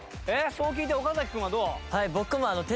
そう聞いて岡君はどう？